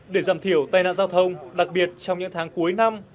để giảm thiểu tai nạn giao thông đặc biệt trong những tháng cuối năm